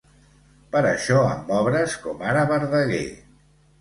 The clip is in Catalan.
Per això amb obres com ara Verdaguer.